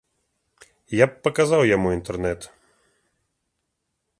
Я б паказаў яму інтэрнэт.